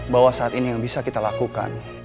bahwa saat ini yang bisa kita lakukan